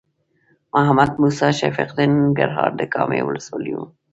محمد موسی شفیق د ننګرهار د کامې ولسوالۍ و.